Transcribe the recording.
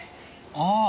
ああ！